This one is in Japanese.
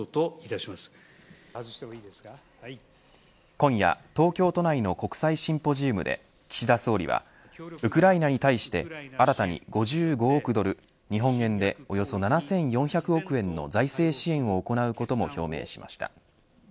今夜、東京都内の国際シンポジウムで岸田総理はウクライナに対して新たに５５億ドル日本円でおよそ７４００億円の財政支援を行うことも表明しました。